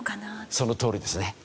そのとおりですね。